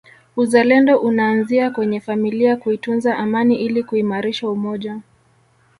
Uzalendo unaanzia kwenye familia kuitunza amani ili kuimarisha umoja